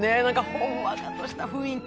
ほんわかとした雰囲気。